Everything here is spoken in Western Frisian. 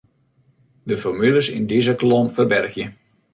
De formules yn dizze kolom ferbergje.